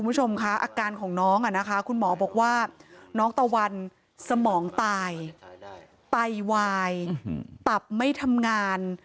คุณผู้ชมคะอาการของน้องคุณหมอบอกว่าน้องตะวันสมองตายไตวายตับไม่ทำงาน